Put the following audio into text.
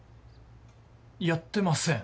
やってません。